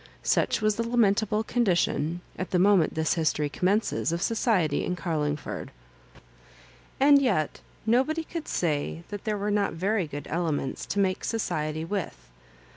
Such was the lamentable condition, at the moment this history commences, of society in Garlingford. And yet nobody could say that there were not very good elements to make society with.